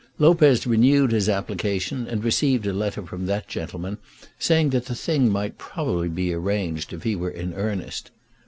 Lopez renewed his application and received a letter from that gentleman saying that the thing might probably be arranged if he were in earnest.